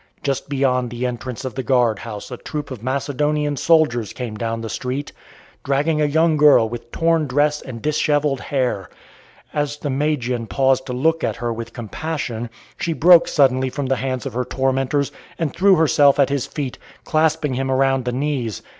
Just beyond the entrance of the guard house a troop of Macedonian soldiers came down the street, dragging a young girl with torn dress and dishevelled hair. As the Magian paused to look at her with compassion, she broke suddenly from the hands of her tormentors, and threw herself at his feet, clasping him around the knees.